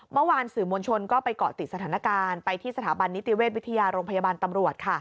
เมื่อวานสื่อมวลชนก็ไปเกาะติดสถานการณ์ที่ฯโรงพยาบาลตำรวจ